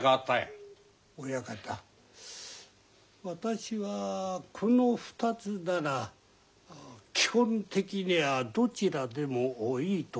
親方私はこの２つなら基本的にはどちらでもいいと思います。